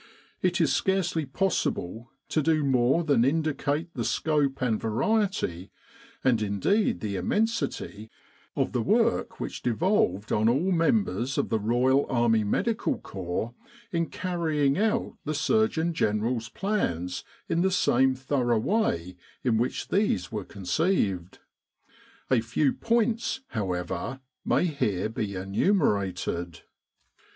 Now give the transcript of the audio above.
It is scarcely possible to do more than indicate the scope and variety, and indeed the immensity, of the work which devolved on all members of the Royal Army Medical Corps in carrying out the Surgeon General's plans in the same thorough way in which these were conceived. A few points, however, may here be enumerated.